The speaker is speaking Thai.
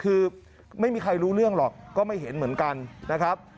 คือไม่มีใครรู้เรื่องหรอกก็ไม่เห็นเหมือนกันนะครับ